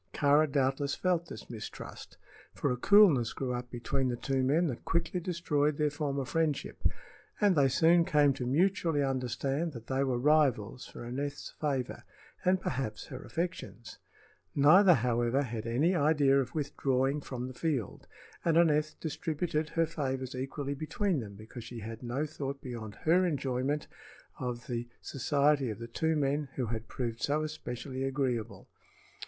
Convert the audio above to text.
Kāra doubtless felt this mistrust, for a coolness grew up between the two men that quickly destroyed their former friendship, and they soon came to mutually understand that they were rivals for Aneth's favor, and perhaps her affections. Neither, however, had any idea of withdrawing from the field, and Aneth distributed her favors equally between them because she had no thought beyond her enjoyment of the society of the two men who had proved so especially agreeable.